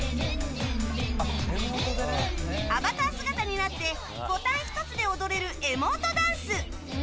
アバター姿になってボタン１つで踊れるエモートダンス。